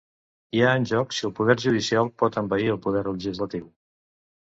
Hi ha en joc si el poder judicial pot envair el poder legislatiu.